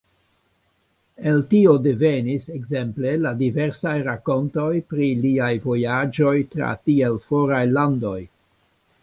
El tio devenis, ekzemple, la diversaj rakontoj pri liaj vojaĝoj tra tiel foraj landoj.